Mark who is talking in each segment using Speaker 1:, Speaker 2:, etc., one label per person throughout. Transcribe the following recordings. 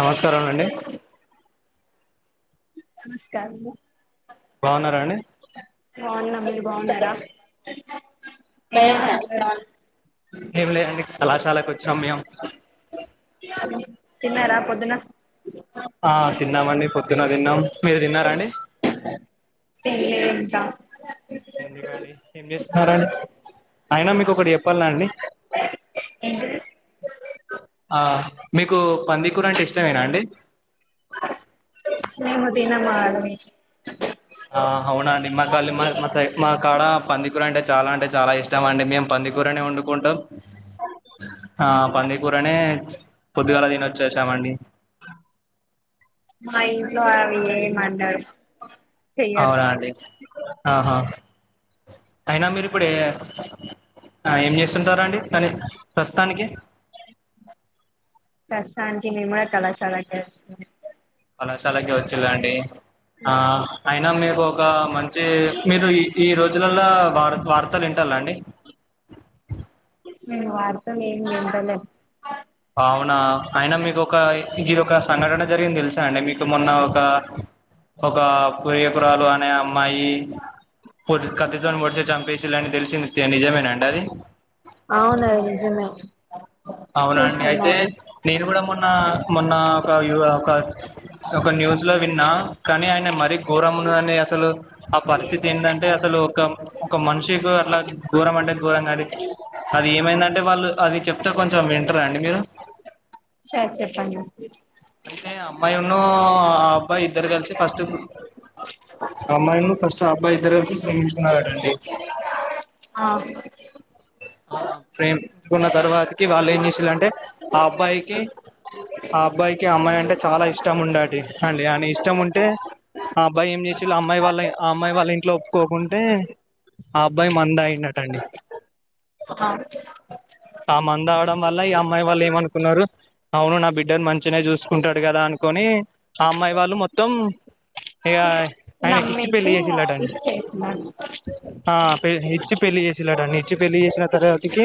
Speaker 1: నమస్కారం అండి
Speaker 2: నమస్కారము
Speaker 1: బవునర్
Speaker 2: బాగున్నామ్ మీరు బాగున్నారా ఏం చేస్తున్నారు
Speaker 1: ఏం లేదండి కళాశాలకు వచ్చినం మ్యమ్
Speaker 2: ఇయాలెందమ్మి తిన్నార పొద్దున్న
Speaker 1: ఆ తిన్నామండి పొద్దున్న తిన్నాం మీరు తిన్నారా అండి
Speaker 2: అ
Speaker 1: ఎందుకండి ఏం చేస్తున్నారండి అయినా మీకు ఒకటి చెప్పాల అండి
Speaker 2: ఏంటిది
Speaker 1: ఆ అ మీకు పందీకూర అంటే ఇష్టమేనా అండి
Speaker 2: మేము తినము ఆగమి
Speaker 1: ఆ అవునాండి మాగాలి గల్లీ మ సైడ్ మా కాడ పందికూర అంటె చాలా అంటే చాలా ఇష్టం అండి మేము పందికూరనే వండుకుంటాం ఆ పందికూరనే పొద్దుగాల తినొచ్చేసామండి
Speaker 2: ట్లో అమీ ఏమంటారు
Speaker 1: అవునా అండి ఆహా అయినా మీరు ఇప్పుడ ఏ ఆ ఏం చేస్తుంటారా అండి కానీ ప్రస్తుతానికి
Speaker 2: ప్రస్తుతానికి [unintelligible]
Speaker 1: కళశాలకే వచ్చేలాండి ఆ అయినా మీకు ఒక మంచి మీకు ఈ రోజుల లా వ వార్తలు ఇంటాల్ల అండి
Speaker 2: మేం వార్త లేం వింటలేం
Speaker 1: అవునా అయినా మీకు ఒక ఇది ఒక స్ సంఘటన జరిగి దెల్స్ చా అండి మీకు మొన్న ఒక ఒక పూయ్యపురాలు అనే అమ్మాయి పో కత్తి తోటి పొడిశి చంపేషిళ్ళని తె ్య నిజమేనా అండి అది
Speaker 2: అవునది నిజమే
Speaker 1: అవున అండి
Speaker 2: చూసాం
Speaker 1: అయితే
Speaker 2: అది
Speaker 1: నేను కూడా మొన్ న్న మొన్న ఒక ఒక ఒక న్యూస్ లో విన్నా కానీ ఆయన మర ఘోరం ఉన్నదండి అసలు ఆ పరిస్థితి ఏంటంటే అసలు ఒక ఒక మనిషికి అట్లా ఘోరం అంటే ఘోరంగా అది ఏమైందంటే వాళ్ళు అది చెప్ తో కొంచెం వింటార అండి మీరు
Speaker 2: సార్ చెప్పండి
Speaker 1: అయితే అమ్మాయి న్ను ఆ అబ్బాయి ఇద్దరు కలిసి ఫస్ట్ ఆ అమ్మాయి ఫస్ట్ ఆ అబ్బాయి ఇద్దరు కలిసి ప్రేమించకున్నారట అండి
Speaker 2: ఆ
Speaker 1: ఆ ప్రేమించు కున్న తర్వాతకి వాళ్ళు ఏం చేసిలంటే ఆ అబ్బాయికి ఆ అబ్బాయి కి అమ్మాయి అంటే చాలా ఇష్టం ఉండటి అండి అని ఇష్టం ఉంటే ఆ అబ్బాయి ఏం చేసిల్లు ఆ అమ్మాయి వాళ్ళ ఆ అమ్మాయి వాళ్ళ ఇంట్ల ఒప్పుకోకుంటే ఆ అబ్బాయి మందు తాగిండట అండి
Speaker 2: ఆ
Speaker 1: ఆ మందు తాగడం వల్ల ఈ అమ్మాయి వాళ్ళు ఏమనుకున్నారు అవును నా బిడ్డను మం చ్చిగనే చూసుకుంటాడు కదా అనుకొని ఆ అమ్మాయి వాళ్ళు మొ త్తం ఇగ ఆయనకి ఇచ్చి పెళ్లిి
Speaker 2: నమ్మేసి
Speaker 1: చేసిలాటండి
Speaker 2: ఇచ్చేసినారు
Speaker 1: ఆ పె ఇచ్చి పెళ్లిి చేసిేలాటండి ఇచ్చి పెళ్లిి చేసిన తర్వాతికి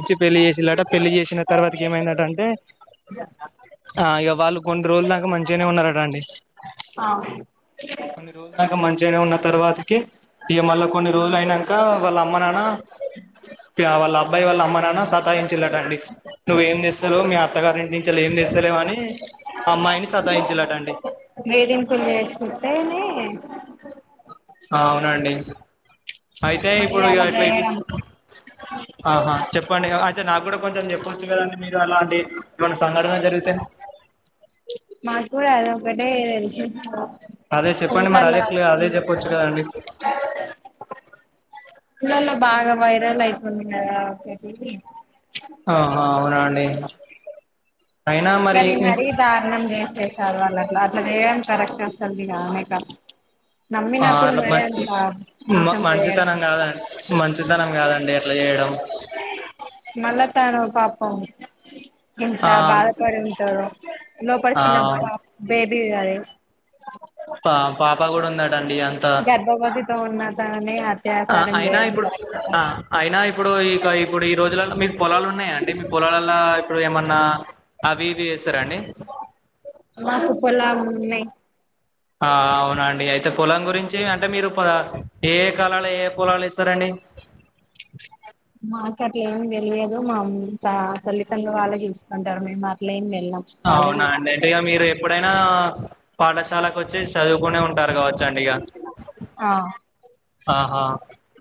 Speaker 1: ఇచ్చి పెళ్లిి చేసిలాట పెళ్లిి చేసిన తర్వాతకి ఏమైందట అంటే ఆ ఇగ వాళ్ళు కొన్ని రోజుల దాకా మంచిగానే ఉన్నారట అండి
Speaker 2: ఆ
Speaker 1: కొన్ని రోజులదాక మంచిగానే ఉన్న తర్వాతకి ఇగ మళ్ళ కొన్ని రోజులు అయినంక వాళ్ళ అమ్మ నానా వాళ్ళ అబ్బాయి వాళ్ళ అమ్మ నానా సతాయించిళ్ళట అండి నువ్్వ ఏం తేస్తాలెవ్ మీ అత్తగారి ఇం నించేలి ఏం చేస్తలేవని ఆ అమ్మాయిని సతాయించిల్లట అండి
Speaker 2: మెడిం కుస్ కుట్టనే
Speaker 1: ఆ అవునండి అయితే
Speaker 2: మరి
Speaker 1: ఇప్పుడు ఇగ
Speaker 2: అలా
Speaker 1: ఇట్ల ఇట్
Speaker 2: చేయడం
Speaker 1: ఆహా చెప్పండి అయితే నాకు కూడా కొంచెం చెప్పొచ్చు కదండి మీరు అలాంటి ఏమన్న సంఘటన జరిగితే
Speaker 2: మాకు కూడా అది ఒక్కటే తెలుసు
Speaker 1: అదే చెప్పండి మరి
Speaker 2: ఫోన్లలా
Speaker 1: అదే్ క్ల అదే
Speaker 2: వస్తుంది
Speaker 1: చెప్పోచ్చు
Speaker 2: కదా
Speaker 1: కదండి
Speaker 2: లలో బాగా వైరల్ అయితుంది కదా ఒకటి
Speaker 1: ఆహా అవునా అండి అయినా మరి
Speaker 2: కానీ మరీ దారుణం చేసేసారు వాళ్ళ అట్లా చేయడం కరెక్ట్ అసలుకి కానీ కాదు నమ్మినప్పుడు
Speaker 1: అట్లా
Speaker 2: మరే
Speaker 1: మంచి
Speaker 2: అంత మోసం చేయడం
Speaker 1: మంచితనం కాదండి మంచితనం కాదండి అట్లా చేయడం
Speaker 2: మళ్ల తాను పాపం ఎంత
Speaker 1: ఆ
Speaker 2: బాధపడి ఉంటారో లోపల
Speaker 1: ఆ
Speaker 2: చిన్న పా బే [unintelligible] కాదే
Speaker 1: పా పాప కూడా వుందండి అండి అంత
Speaker 2: గర్భవతితో ఉన్న తనని అత్యాచారం
Speaker 1: అయినా
Speaker 2: చేయడం
Speaker 1: ఇప్పుడు
Speaker 2: కరెక్ట్ కాదు
Speaker 1: ఆ అయినా ఇప్పుడు ఇక ఇప్పుడు ఈ రోజులో మీరు పొలాలు ఉన్నాయండి మీ పొలాల్ల ఇప్పుడు ఏమన్నా అవి ఇవి వేస్తారా అండి
Speaker 2: మాకు పొలాలు ఉన్నాయి
Speaker 1: ఆ అవునండి అయితే పొలం గురించి అంటే మీరు ఏ కాలాల ఏ పొలాలు ఎస్తారండి
Speaker 2: మాకు అట్ల ఏమి తెలియదు మా త తల్లిదండ్రులు వాళ్ళ చూసుకుంటారు మేము అట్ల ఏం బె
Speaker 1: అవునా అండి అంటే ఇక మీరు ఎప్పుడైనా పాఠశాలకు వచ్చి చదువుకునే ఉంటారు కాబట్టి చాండి ఇగ
Speaker 2: ఆ
Speaker 1: ఆహా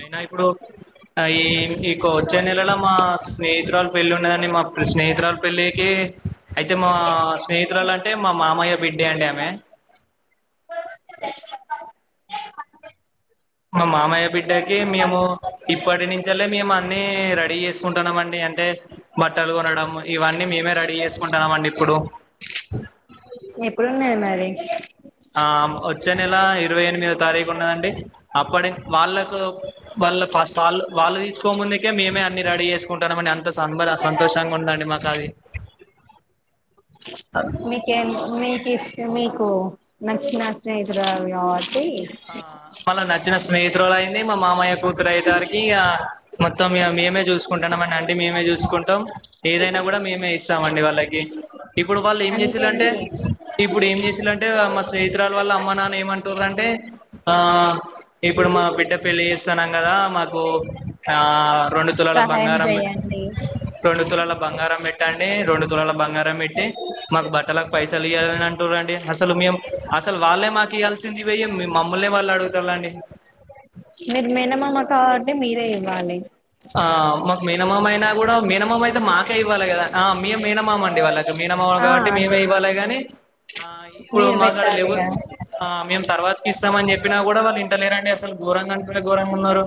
Speaker 1: అయినా ఇప్పుడు ఈ ఇక వచ్చే నెలలో మా స్నేహితురాలి పెళ్ళి ఉన్నదన్ని మా స్నేహితురాలి పెళ్ళికి అయితే మా స్నేహితురాలు అంటే మా మామయ్య బిడ్డే అండి ఆమె మా మామ్ మయ్య బిడ్డకి మేము ఇప్పటి నుంచలే మేము ముందునే రెడీ చేసుకుంటాన్నాం అండి అంటే బట్టలు కొనడం ఇవన్నీ అన్ని మేమే రెడీ చేసుంటన్నాం అండి ఇప్పుడు
Speaker 2: ఎప్పుడున్నది మ్యారేజ్
Speaker 1: ఆ వచ్చే నెల ఇరవై ఎనిమిదో తారీఖు ఉన్నదండి అప్పటి వాళ్ళకు వాళ్ళ ఫస్ట్ వాళ్ళు వాళ్ళు తీసుకో ముందుకే మేమే అన్ని రెడీ చేసుకుంటాన్నాం అని అంత సంబర సంతోషంగా ఉందండి మాకు అది
Speaker 2: మీకేం
Speaker 1: ఆ
Speaker 2: మీకి మీకు నచ్చిన స్నేహితురాలు కాబట్టి
Speaker 1: ఆ మళ్ళ నచ్చిన స్నేహితులు అయింది మా మామయ్య కూతురు అయిందానికి మొత్తం మేమే చూసుకుంటాం ఏదైనా కూడా మేమే ఇస్తామ అండి వాళ్ళకి ఇప్పుడు వాళ్ళు ఏం చేసిర్రు అంటే ఇప్పుడు ఏం చేసిలంటే మ స్నేహితురాల వల్ల అమ్మ నాన్న ఏమంటుర్రు అంటే ఆ ఇప్పుడు మా బిడ్డ పెళ్లి చేస్తన్నాం కదా మాకు ఆ రెండు తులల
Speaker 2: సహాయం
Speaker 1: బంగారం బెట్
Speaker 2: చేయండి
Speaker 1: రెండు తులల బంగారం పెట్టి అండి రెండు తురాల బంగారం పెట్టి మాకు బట్టలకు పైసలు ఇవ్వాలని అంటున్నారండి అసలు మేము అసలు వాళ్ళే మాకు ఇవ్యాల్సింది పొయ్యి మమ్మల్నె వాళ్ళు అడుగుతాల్ల అండి
Speaker 2: మీకు మేనమామ కాబట్టి మీరే ఇవ్వాలి
Speaker 1: ఆ మాకు మినిమం అయినా కూడా మిమం అయితే మాకే ఇవ్వాలి కదా ఆ మ మినమాం అండి వాళ్ళకి మీన అమ్మవి
Speaker 2: ఆ
Speaker 1: కాబట్టి మేమే
Speaker 2: అదే
Speaker 1: ఇవ్వాలి కానీ ఆ ఇప్పుడు
Speaker 2: మీరు
Speaker 1: మాగాడ
Speaker 2: పెట్టాలి కదా
Speaker 1: లేవుం తర్వాతకి ఇస్తామని చెప్పినా కూడా వాళ్ళు ఇంతలేరండి అసలు ఘోరంగా అంటే ఘోరంగా ఉన్నారు.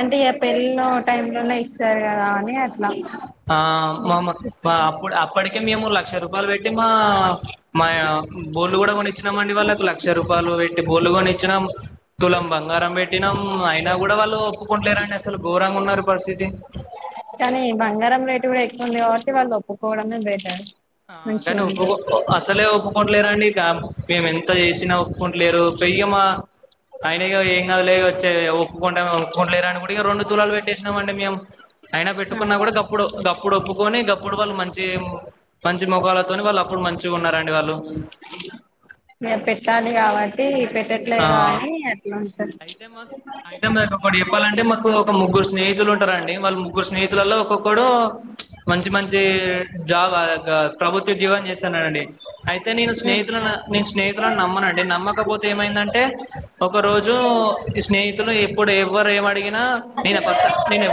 Speaker 2: అంటే ఇ పెళ్ళ టై లోనే ఇస్తారు కదా అని అట్లా
Speaker 1: ఆ
Speaker 2: నేను
Speaker 1: మమ
Speaker 2: చూస్తాను
Speaker 1: అప్పుడు అప్పటికి అ మేము లక్ష రూపాయలు పెట్టి మా, మా బోళ్ళు కూడా కొనిచ్చినాం అండి వాళ్ళకు లక్ష రూపాయలు పెట్టి బోళ్ళ కొనిచ్చినాం, తులం బంగారం పెట్టినాం, అయినా కూడా వాళ్ళు ఒప్పుకుంటలేరండి అసలు ఘోరంగా ఉన్నారు పరిస్థితి
Speaker 2: కానీ బంగారం రేటు కూడా ఎక్కువ ఉంది కాబట్టి వాళ్ళు ఒప్పుకోవడమే బెటర్
Speaker 1: ఆ
Speaker 2: మంచిగా
Speaker 1: కానీ
Speaker 2: ఉండు
Speaker 1: అసలే ఒప్ ఒప్పుకోట్లేరు అండి ఇక మేము ఎంత చేసినా ఒప్పుకోంట్లేరు పెయ్యమ్మా ఆయన గూడ ఏం కదులే వచ్చే ఇగ ఒప్పు కొంటారొ ఒప్పు కుంట్లేరని ఇగ రెండు తూలాలు పెట్టే చేసినం అండి మేము అయినా
Speaker 2: ఆ
Speaker 1: పెట్టుకున్నా కూడా గప్పుడు గప్పుడు ఒప్పుకొని గ కూడువళ్ళు మంచి మంచి ముఖాలతోని వాళ్ళు అప్పుడు మంచిగా ఉన్నారండి వాళ్ళు
Speaker 2: పెట్టాలి కాబట్టి
Speaker 1: ఆ
Speaker 2: పెట్టట్లేదు అని ఎట్లా ఉంటారు
Speaker 1: అయితే మా అయితే మొడు చెప్పాలంటే మాకు ఒక ముగ్గురు స్నేహితులు ఉంటారండి, వాళ్ళ ముగ్గురు స్నేహితులలో ఒక్కొక్కడు మంచి మంచి జాబ్ ప్రభుత్వ జీవం చేస్తాన్నానండి అయితే నేను స్నేహితులను నేను స్నేహితులను నమ్మనండి నమ్మకపొ ఏమైందంటే ఒక రోజు స్నేహితులు ఎప్పుడు ఎవరు ఎం అడిగినా నేనే ఫస్ట్ నేన్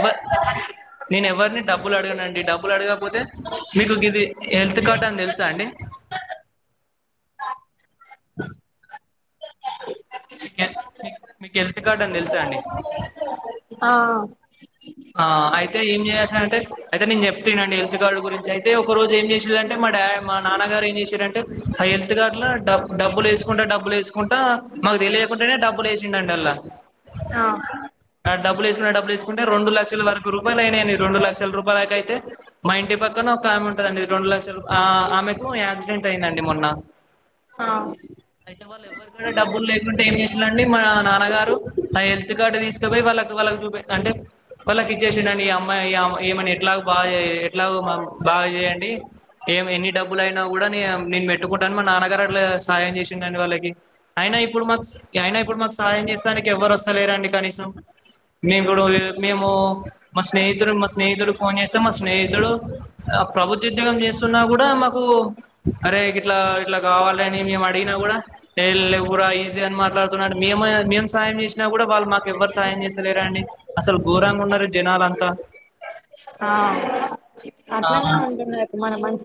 Speaker 1: నేను ఎవరిని డబ్బులు అడగన అండి, డబ్బులు అడగకపోతే మీకు ఇది హెల్త్ కార్డ్ అని తెలుసా అండి మీకె మిక్ మీకు హెల్త్ కార్డ్ అని తెలుసా నీకు
Speaker 2: ఆ
Speaker 1: ఆ అయితే ఏం చేసినాడంటే అయితే, నేను చెప్తే వినండి. హెల్త్ కార్డు గురించి అయితే ఒక రోజు ఏం చేసిడుంటే, మా డాడ్ మా నాన్నగారు ఏం చేసిరంటే, ఆ హెల్త్ కార్డు లో డబ్ డబ్బులు వేసుకుంటా, డబ్బులు వేసుకుంటా మాకు తెలియకుండానే, డబ్బులు వేసిండంటల్లా
Speaker 2: ఆ
Speaker 1: ఆ డబ్బులు వేసుకుంటా, డబ్బులు వేసుకుంటే రెండు లక్ క్షల వరకు రూపాయలు అయినాయండి రెండు లక్షల రూపాయలకు అయితే మా ఇంటి పక్ క్కన ఒకామ్ ఉంటందండి. రెండు లక్షలకు ఆ ఆమెకు యాక్సిడెంట్ అయ్యిందండి. మొన్న
Speaker 2: ఆ
Speaker 1: అయితే వాళ్ళు ఎవ్వరు కూడా డబ్బులు లేకుంటడా, ఏం చేసులండి మన నాన్నగారు ఆ హెల్త్ కార్డు తీసుకపోయి, వాళ్ళకు వాళ్ళకి చూపేట్టు అంటే వాళ్ళకి ఇచ్చేసిండండి ఈ అమ్మాయి అమ్ ఇమని ఎట్లా బా ఎట్లా బాగా చేయండి. ఏం ఎన్ని డబ్బులు అయినా కూడా న నేను మెట్టుకుంటాను, మా నాన్నగారు అట్లా సహాయం చేసిండుండి. వాళ్ళకి అయినా ఇప్పుడు మాకు స్ అయినా ఇప్పుడు మాకు సహాయం చేసాడానికి ఎవ్వరు వస్తలేరండి. కనీసం నేమ్ కూడా ఇప్ ఫోన్ చేస్తే మా స్నేహితుడు ప్రభుత్వ ఉద్యోగం చేస్తున్నా కూడా అరే ఇట్లా ఇట్లా కావాలని మేము అడిగిన కూడా ఏ లేవుర్రా ఇది అనిమా ట్లాడుతున్నాడు మేము మేము సాయం చేసినా కూడా వాళ్ళు మాకు ఎవ్వరు సాాయం చేస్తలేరండి. అసలు ఘోరంగా ఉన్నారు. ఈ జనాలంతా
Speaker 2: ఆ
Speaker 1: ఆహ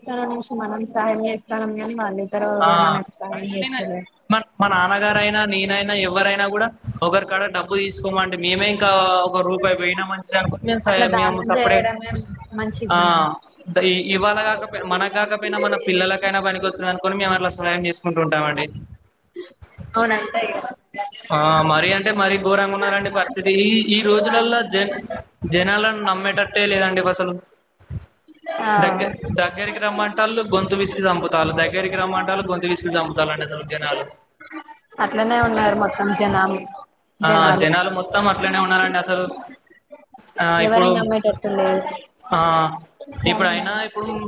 Speaker 2: కా నిమిషం మనం సహాయం చేస్తనం కానీ వాళ్ళే
Speaker 1: ఆ అయితే నేనే మన్ మా నాన్నగారైనా నేనైన్ న ఎవరైనావ్ కూడా ఒకరి కాడ డబ్బు తీసుకోమమంటే, మేమే ఇంకా ఒక రూపాయి బేయినా మంచిదే అనుకొని,
Speaker 2: అట్లా
Speaker 1: మేమ్
Speaker 2: దానం
Speaker 1: [unintelligible] సప్పడే
Speaker 2: చేయడమే మంచి
Speaker 1: ఆ
Speaker 2: గుణం
Speaker 1: ఇంతే ఇ ఇవాళ కాకపోయి, మనకు కాకపోయినా మన పిల్లలకైనా పనికి వస్తుదని. మేము అట్లా సహయం చేసుకుంటు ఉంటాంమండి
Speaker 2: అవునా అంతే క
Speaker 1: ఆ మరీ అంటే మరీ ఘోరంగా ఉన్నారంండి పరిస్థితి ఈ ఈ రోజులలో జెన్స్ జనాలను నమ్మేటట్టే లేదండి ఫస్ట్ హలో
Speaker 2: ఆ
Speaker 1: దగ్గర దగ్గరికి రమ్మంటాలు గొంతు పిసికి చంపుతాలు దగ్గరికి రమ్మంటారు గొంతు విసుకి చంపు అలాంటి చలుకనేలలు
Speaker 2: అట్లనే ఉండాలా మొత్తం జనాలు
Speaker 1: ఆ జనాలు మొత్తం మ ఇట్లనే ఉన్నారు అండి అసలు ఆ ఇప్పుడు
Speaker 2: ఎవరిని
Speaker 1: మ్
Speaker 2: నమ్మేటట్టు లేదు
Speaker 1: ఆ ఇప్పుడు అయినా ఇప్పుడు మ్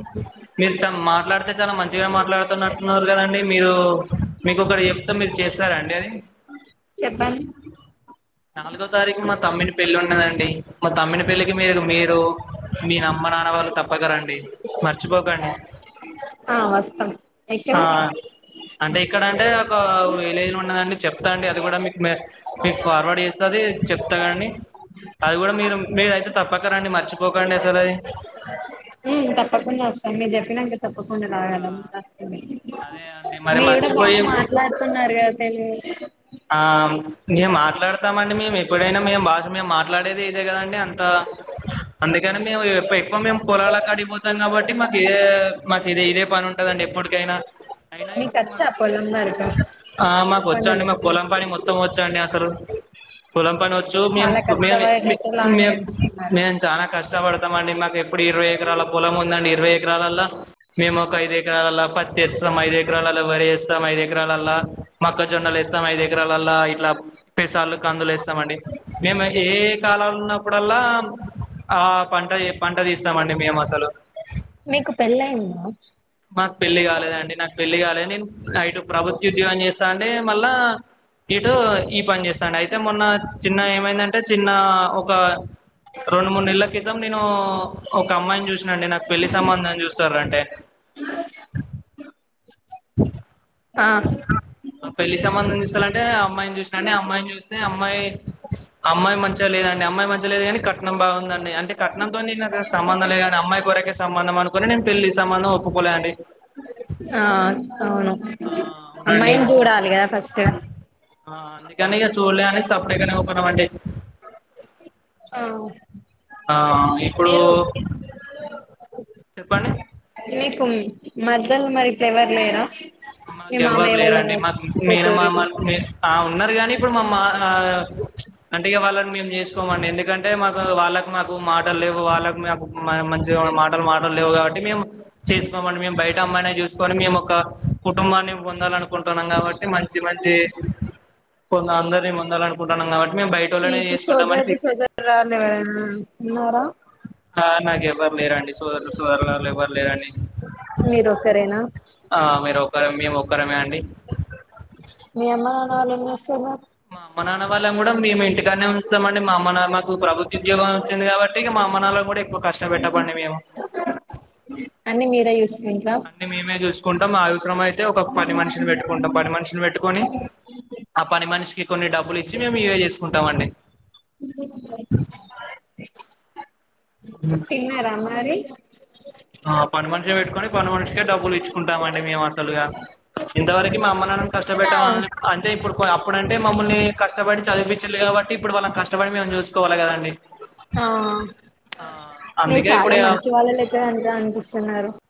Speaker 1: మీరు చ మాట్లాడితే చాలా మంచిగా మాట్లాడుతున్నట్టున్నారు కదండి. మీరు మీకు ఒకరు చెప్తే మీరు చేస్తారండి. అది
Speaker 2: చెప్పాలి
Speaker 1: నాలుగో తారీఖు మా తమ్మిని పెళ్లి ఉంన్నదండి. మా తమ్ని పెళ్లికి మీరు మీరు మీ అమ్మ నాన్న వాళ్ళు తప్పక రండి. మర్చిపోకండి.
Speaker 2: ఆ వస్తాం ఎక్కడ
Speaker 1: ఆ అంటే ఇక్కడ అంటే ఒక ఏలేను ఉన్నదండి చెప్తా అండి అది కూడా మీకు మే ఫార్వర్డ్ చేస్తది చెప్తా కండి అది కూడా మీరు మీరు అయితే తప్పక రండి. మర్చిపోకండి అసలు అది.
Speaker 2: పప్పవస్తుం మీరు తినండి తప్పకుండా
Speaker 1: ఆ
Speaker 2: రాగలం కాస్త
Speaker 1: అదే అండి మరి
Speaker 2: మీ కూడా బాగా
Speaker 1: మర్చిపోయి
Speaker 2: మాట్లాడుతున్నారు కద
Speaker 1: ఆ మేము మాట్లాడతామండి మేము ఎప్పుడైనా మేము భాష మేము మాట్లాడేదే ఇదే కదండి. అంత అందుకని మేము ఎక్కువ మేము పొలాల కాటికి పోతాం కాబట్టి మాకు ఇదే మాకు ఇదే ఇదే పని ఉంటదండి. ఎప్పటికైనా అయినా
Speaker 2: మీకు
Speaker 1: ఇప్పుడు మన
Speaker 2: వచ్చా పొలం వరకు
Speaker 1: ఆ మాకు వచ్చండి
Speaker 2: పనులు
Speaker 1: మాకు పని మొత్తం వచ్చ అండి అసలు పొలం పని వ మే
Speaker 2: చాలా
Speaker 1: మేమ్
Speaker 2: కష్టపడేటట్టులానే
Speaker 1: మే
Speaker 2: కనిపిస్తున్నారు
Speaker 1: నే చాలా కష్టపడు అండి మాకు ఎప్పుడు ఇరవై ఎకరాల పొలం ఉందండి. ఇరవై ఎకరాలలా మేము ఒక ఐదు ఎకరాల పత్తే ఎస్తాం ఐదు ఎకరాలలా వరేస్త త్తం ఐదు ఎకరాలల మక్క జొన్న లేస్ ఐదు ఎకరాలలా ఇట్లా పెసాలు కందులు వేస్తామ అండి మేము ఏ కాలం ఉన్నప్పుడల్లా ఆ పంట పంట తీస్తామ అండి. మేము అసలు
Speaker 2: ఆ
Speaker 1: నాకు పెళ్ళి కాలేదండి నాకు పెళ్లి కాలేదు నేను ఇటు ప్రభుత్వ ఉద్యోగం చేస్తా అంటే మళ్ళా ఇటు ఈ పని చేేస్తాండి అయితే మొన్న చిన్న ఏమైందంటే చిన్న కా రెండు మూడు నెలల క్రితం నేను ఒక అమ్మాయిని చూసినా అండి నాకు పెళ్లి సంబందం చూస్తారు అంటే
Speaker 2: అ
Speaker 1: ఆ పెళ్లి సంబంధం చూసాలంటే అమ్మాయిని చూసినట్టే, అమ్మాయిని చూస్తే అమ్ మై అమ్మాయి మంచిగా లేదం మీ అమ్మాయి మంచిలేదు గని కట్నం బా అండి అంటే కట్నంతో నేను సంబంధం లేదుగనీ అమ్మాయి కొరకే సంబంధం అనుకొని నేను పెళ్ళి సంబంధం ఒప్పుకోలేదండి.
Speaker 2: ఆ అవును
Speaker 1: ఆ అవునండి
Speaker 2: అమ్మాయిని చూడాలి కదా ఫస్ట్
Speaker 1: ఆ అందుకని ఇగ చూల్లే అని సప్పుడేకనె పోదా మండి
Speaker 2: ఆవ్
Speaker 1: ఆ ఇప్పుడూ చెప్పండి
Speaker 2: మధ్యల మరిప్పుడెవర్ లేరా మీ
Speaker 1: మాకెవ్వరు
Speaker 2: మామయ్య వాళ్ళ
Speaker 1: లేరండి మాకు మేన
Speaker 2: కూతురు
Speaker 1: మామలు ఆ ఉన్నారు గాని ఇప్పుడు మమా ఆ ప్చ్ అంటే ఇగ వాళ్ళని మేమ్ చేసుకోమండి ఎందుకంటే, మాకు వాళ్ళకి మాకు మాటల్లేవు వాళ్ళకు మాకు మంచిగా మాటలు మాటలు లేవు కాబట్టి, మేము చేసుకోమండి మేము బయ అమ్మనే చూసుకొని మేమొక కుటుంబాన్ని బొందాలనుకుంట్ ఇస్తానం కాబట్టి మంచి మంచి కొ అందరి ముందలడు కుట్టానంగాబట్
Speaker 2: మీకు సోదరి సోదరాలెవరన్న ఉన్నార
Speaker 1: ఆ నాకెవర్ లేరండి సోదరులు సోదరురాలు ఎవరు లేరండి.
Speaker 2: మీరు ఒక్కరేనా
Speaker 1: ఆ మీరు కరం మేమొక్కరమే అండి. డి
Speaker 2: వాళ్ళేం చేస్తరు మరి
Speaker 1: మా అమ్మ నాన్న వాళ్ళని కూడా మేము ఇంటికాన్నే ఉంస్తమండి, మా అమ్మ నాన్న మాకు ప్రభుత్వ ఉద్యోగం వచ్చింది కాబట్టి, మా అమ్మ నాన్నలను కూడా కష్ట పెట్టమండి మేము
Speaker 2: అన్ని మీరే చూసుకుంట్రా
Speaker 1: అన్ని మేమే చూస్కుంటం. మా అవసరమయితే ఒక పని మనిషిని పెట్టుకుంటాం, పని మనిషిని పెట్టుకొని ఆ పని మనిషికి కొన్ని డబ్బులు ఇచ్చి మేము ఇవే చేసుకుంటాం అండి.
Speaker 2: ఉ [unintelligible] తిన్నారా మరి
Speaker 1: ఆ పని మనిషిని పెట్టుకొని పని మనిషికే డబ్బులిచ్చుకుంటామండి మేము అసలుగా ఇంతవరకు మా అమ్మానాన్నని కష్టపెట్టామ అంటే ఇప్పుడు అప్పుడంటే మమ్మల్ని కష్టపడి చదిపిచ్చిల్లు కాబట్టి ఇప్పుడు వాళ్ళని కష్టపడి మేము చూసుకోవాలె కదండి
Speaker 2: ఆ
Speaker 1: ఆ
Speaker 2: మీరు
Speaker 1: అందుకే
Speaker 2: చాలా మంచి
Speaker 1: ఇప్పుడు
Speaker 2: వాళ్ళ లెక్క అనిపిస్తున్నారు